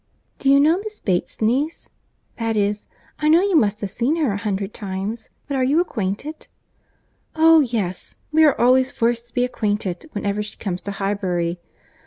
"Do you know Miss Bates's niece? That is, I know you must have seen her a hundred times—but are you acquainted?" "Oh! yes; we are always forced to be acquainted whenever she comes to Highbury.